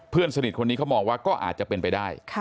เพื่อนสนิทคนนี้เขามองว่าก็อาจจะเป็นไปได้